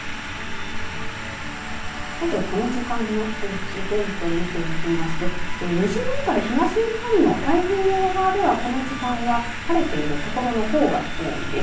まず、この時間の天気分布見ていきますと西日本から東日本の太平洋側ではこの時間は晴れている所の方が多いです。